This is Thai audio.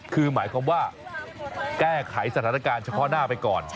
คือหมายความว่าแก้ไขสถานการณ์เฉพาะหน้าไปก่อน